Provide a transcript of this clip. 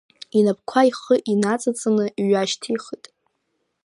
Инапқәа ихы инаҵаҵаны иҩышьҭихит.